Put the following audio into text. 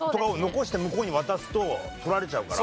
残して向こうに渡すと取られちゃうから。